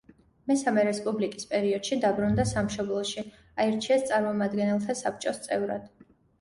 მესამე რესპუბლიკის პერიოდში დაბრუნდა სამშობლოში, აირჩიეს წარმომადგენელთა საბჭოს წევრად.